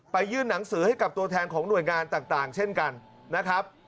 ยื่นหนังสือให้กับตัวแทนของหน่วยงานต่างเช่นกันนะครับ